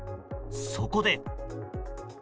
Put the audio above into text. そこで。